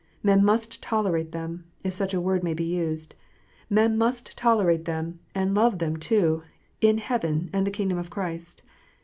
Men must tolerate them, if such a word may be used, men must tolerate them, see them, and love them too, in heaven and the kingdom of Christ.